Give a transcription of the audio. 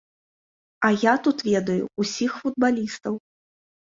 А я тут ведаю ўсіх футбалістаў.